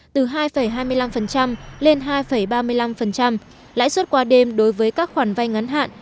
từ hai hai mươi năm lên hai ba mươi năm lãi suất qua đêm đối với các khoản vay ngắn hạn